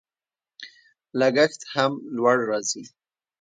لګښت هم لوړ راځي.